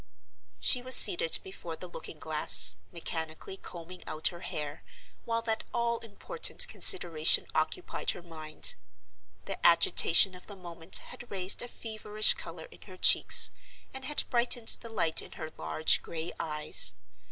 She was seated before the looking glass, mechanically combing out her hair, while that all important consideration occupied her mind. The agitation of the moment had raised a feverish color in her cheeks, and had brightened the light in her large gray eyes.